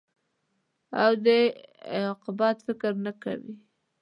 او د عاقبت فکر نه کوې.